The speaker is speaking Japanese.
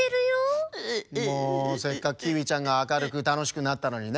もうせっかくキーウィちゃんがあかるくたのしくなったのにね。